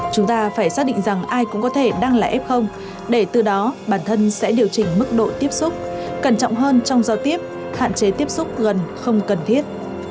chúng ta phải xác định rằng ai cũng có thể đang là f để từ đó bản thân sẽ điều chỉnh mức độ tiếp xúc cẩn trọng hơn trong giao tiếp hạn chế tiếp xúc gần không cần thiết